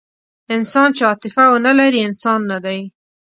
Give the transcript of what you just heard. انسان چې عاطفه ونهلري، انسان نهدی.